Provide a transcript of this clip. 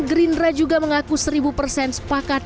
gerindra juga mengaku seribu persen sepakat